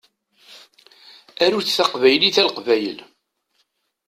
Arut taqbaylit a Leqbayel.